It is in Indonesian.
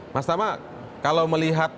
mas tama kalau melihat